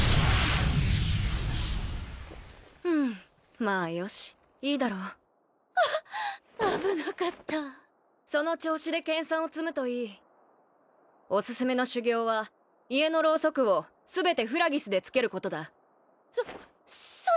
うんまあよしいいだろうあ危なかったその調子で研さんを積むといいオススメの修業は家のろうそくを全てフラギスでつけることだそ